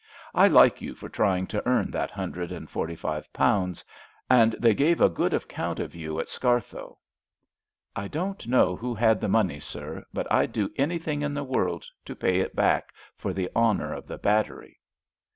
I like you for trying to earn that hundred and forty five pounds, and they gave a good account of you at Scarthoe." "I don't know who had the money, sir, but I'd do anything in the world to pay it back for the honour of the battery."